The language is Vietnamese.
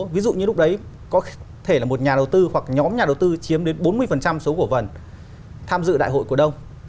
ví dụ như lúc đấy có thể là một nhà đầu tư hoặc nhóm nhà đầu tư chiếm đến bốn mươi số cổ phần tham dự đại hội cổ đông